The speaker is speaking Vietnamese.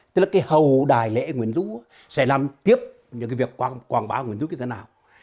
tức là cái hầu đại lễ nguyễn du sẽ làm tiếp những cái việc quảng bá nguyễn du như thế nào